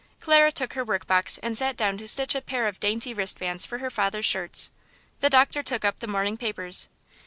Clara took her work box and sat down to stitch a pair of dainty wristbands for her father's shirts. The doctor took up the morning papers.